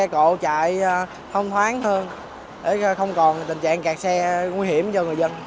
cổ chạy thông thoáng hơn để không còn tình trạng cạt xe nguy hiểm cho người dân